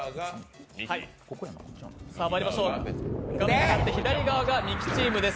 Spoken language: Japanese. まいりましょう、画面向かって左側がミキチームです。